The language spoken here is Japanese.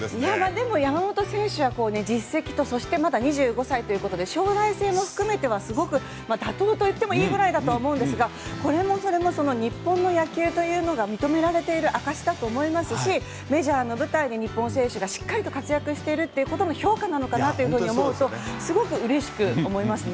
でも山本選手は実績とそしてまた２５歳ということで将来性も含めては妥当と言ってもいいぐらいだと思うんですがこれもそれもその日本の野球というのが認められている証だと思いますしメジャーの舞台で日本選手がしっかりと活躍してるということの評価なのかなというふうに思うとすごく嬉しく思いますね。